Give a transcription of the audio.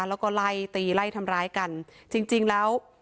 แล้วก็ไล่ตีไล่ทำร้ายกันจริงจริงแล้ว